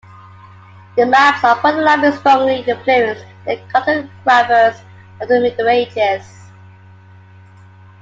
The maps of Ptolemy strongly influenced the cartographers of the Middle Ages.